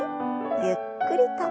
ゆっくりと。